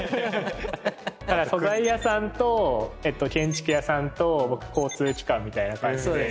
だから素材屋さんと建築屋さんと僕交通機関みたいな感じで。